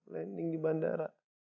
landing di bandara